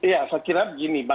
ya saya kira begini